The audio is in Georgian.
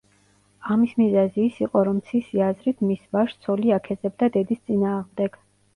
ამის მიზეზი ის იყო, რომ ცისი აზრით მის ვაჟს ცოლი აქეზებდა დედის წინააღმდეგ.